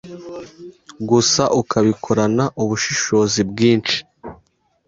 gusa ukabikorana ubushishozi bwinshi